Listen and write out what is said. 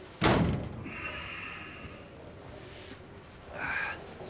ああ。